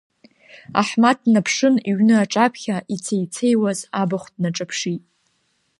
Аҳмаҭ днаԥшын иҩны аҿаԥхьа ицеицеиуаз абахә днаҿаԥшит…